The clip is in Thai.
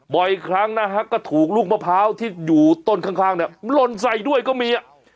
บ่อยครั้งนะครับก็ถูกลูกมะพร้าวที่อยู่ต้นข้างล่นใส่ด้วยก็มี